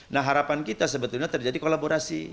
nah harapan kita sebetulnya terjadi kolaborasi